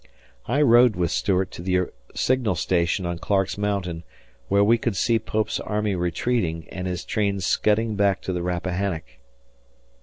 I rode with Stuart to the signal station on Clarke's Mountain where we could see Pope's army retreating and his trains scudding back to the Rappahannock.